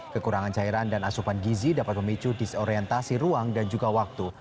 kekurangan cairan dan asupan gizi dapat memicu disorientasi ruang dan juga waktu